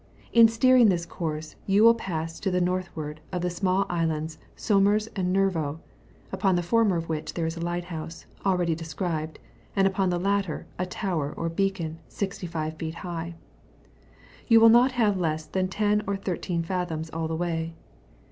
In steeringthis course, you will pass to the northward of the small islands Sommers and Nervo, upon the former of which there is a lighthouse, already describe and upon the latter a tower or beacon, 65 feet high: you will not have less thin 13 or 10 fathoms all the way.